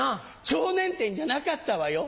腸捻転じゃなかったわよ。